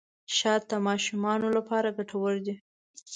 شات د ماشومانو لپاره ګټور دي.